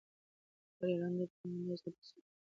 خبریالان د بیان د ازادۍ ساتونکي دي.